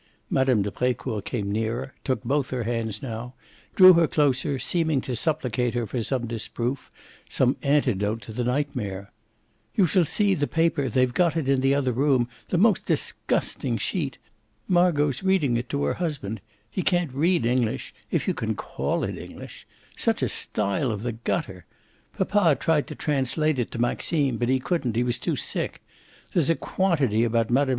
Mme. de Brecourt came nearer, took both her hands now, drew her closer, seemed to supplicate her for some disproof, some antidote to the nightmare. "You shall see the paper; they've got it in the other room the most disgusting sheet. Margot's reading it to her husband; he can't read English, if you can call it English: such a style of the gutter! Papa tried to translate it to Maxime, but he couldn't, he was too sick. There's a quantity about Mme.